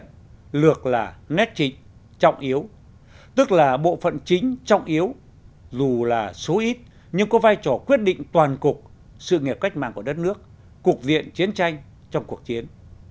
đây lược là nét chính trọng yếu tức là bộ phận chính trọng yếu dù là số ít nhưng có vai trò quyết định toàn cục sự nghiệp cách mạng của đất nước cục diện chiến tranh trong cuộc chiến